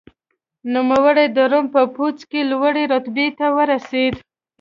نوموړی د روم په پوځ کې لوړې رتبې ته ورسېد.